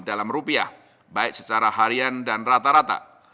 dalam rupiah baik secara harian dan rata rata